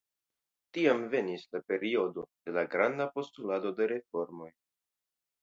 Tiam venis la periodo de la granda postulado de reformoj.